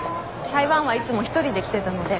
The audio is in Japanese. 台湾はいつも一人で来てたので。